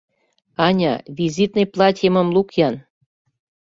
Аня, визитный платьемым лук-ян.